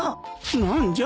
何じゃ？